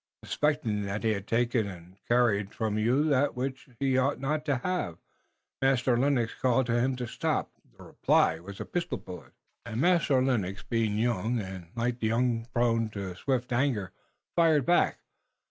Suspecting that he had taken und carried from you that which he ought not to haf, Master Lennox called to him to stop. The reply wass a pistol bullet und Master Lennox, being young und like the young prone to swift anger, fired back.